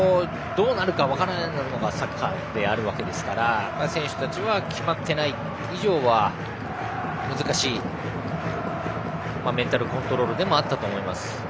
どうなるか分からないのがサッカーであるわけですから選手たちは決まっていない以上は難しいメンタルコントロールでもあったと思います。